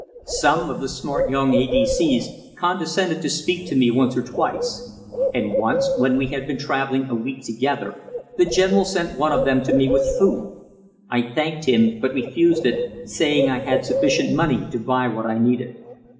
Some of the smart young A.D.C.'s condescended to speak to me once or twice; and once, when we had been traveling a week together, the general sent one of them to me with food. I thanked him, but refused it, saying I had sufficient money to buy what I needed.